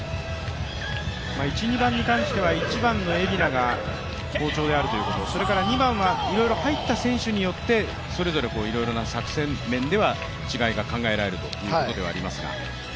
１、２番に関しては１番の蝦名が好調であるということ、それから２番はいろいろ、入った選手によってそれぞれいろいろな作戦面では違いが考えられるということではありますか。